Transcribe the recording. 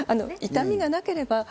痛みさえなければ。